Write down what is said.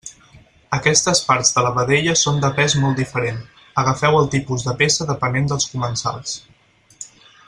Aquestes parts de la vedella són de pes molt diferent, agafeu el tipus de peça depenent dels comensals.